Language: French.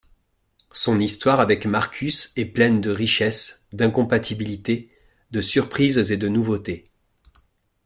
Son histoire avec Markus est pleine de richesses, d'incompatibilités, de surprises et de nouveautés.